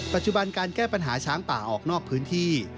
ปัจจุบันการแก้ปัญหาช้างป่าออกนอกพื้นที่